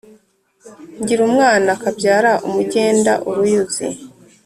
Ngira umwana akabyara umugenda-Uruyuzi.